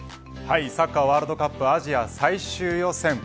はい、サッカーワールドカップアジア最終予選